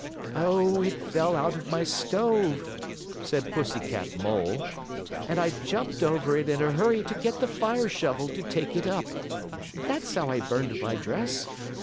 "Oh, it fell out of my stove," said Pussy Cat Mole, "and I jumped over it in a hurry to get the fire shovel to take it up. That's how I burned my dress.